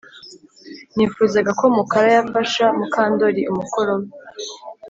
Nifuzaga ko Mukara yafasha Mukandoli umukoro we